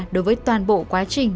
đối với toàn bộ quá trình